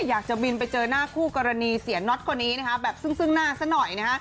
อยากจะบินไปเจอหน้าคู่กรณีเสียน็อตคนนี้แบบซึ่งหน้าซะหน่อยนะฮะ